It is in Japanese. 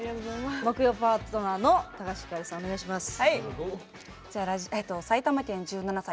木曜パートナーの高橋ひかるさん、お願いします。